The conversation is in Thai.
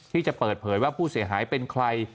ที่จะเปิดเผยว่าผู้เสียหายเป็นใคร